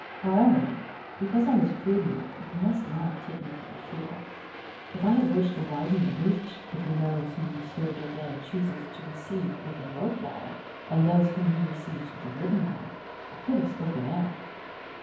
However, because I was prudent you must not take me for a fool. If I had wished to widen the breach between those whom Monsieur d'Herblay chooses to receive with a rope ladder and those whom he receives with a wooden ladder, I could have spoken out."